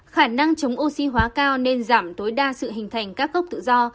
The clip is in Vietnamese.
khả năng chống oxy hóa cao nên giảm tối đa sự hình thành các gốc tự do